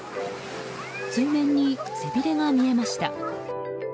水面に背びれが見えました。